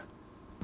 thưa đại sứ